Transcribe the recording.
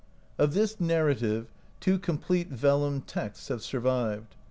Of this narrative two complete vellum texts have sur vived.